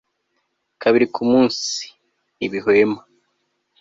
kabiri ku munsi, ntibihwema